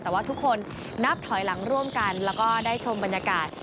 แต่ว่าทุกคนนับถอยหลังร่วมกันแล้วก็ได้ชมบรรยากาศ